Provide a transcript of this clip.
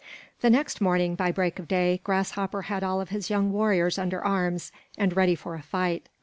The next morning, by break of day, Grasshopper had all of his young warriors under arms and ready for a fight.